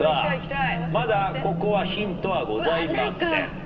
まだここはヒントはございません。